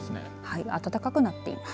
暖かくなっています。